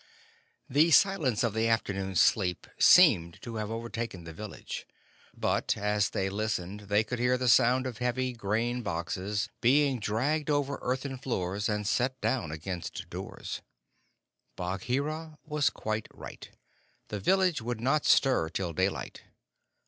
The silence of the afternoon sleep seemed to have overtaken the village, but, as they listened, they could hear the sound of heavy grain boxes being dragged over earthen floors and set down against doors. Bagheera was quite right; the village would not stir till daylight.